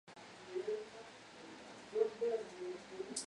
Bases para el estudio de las comunidades vegetales.